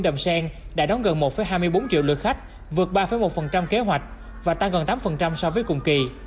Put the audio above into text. đầm sen đã đón gần một hai mươi bốn triệu lượt khách vượt ba một kế hoạch và tăng gần tám so với cùng kỳ